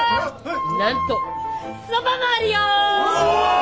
なんとそばもあるよ！